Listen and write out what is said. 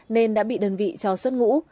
nên đã bị đơn vị cho xuất ngũ